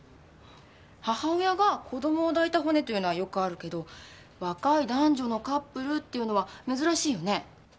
母親が子供を抱いた骨というのはよくあるけど若い男女のカップルっていうのは珍しいよね。